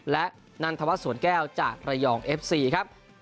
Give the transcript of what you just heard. และนันทวัฒนสวนแก้วจากระยองเอฟซีครับ